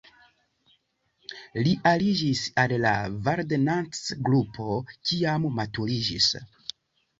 Li aliĝis al la Vardanantz-grupo kiam maturiĝis.